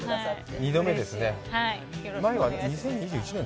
２度目ですね。